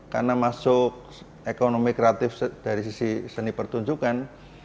karena masuk ekonomi kreatif dari sisi seni pertunjukan